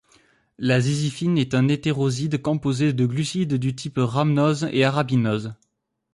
La ziziphine est un hétéroside composé de glucide du type rhamnose et arabinose.